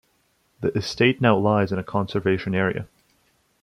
The estate now lies in a conservation area.